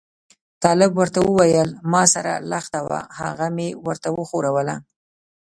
طالب ورته وویل ما سره لښته وه هغه مې ورته وښوروله.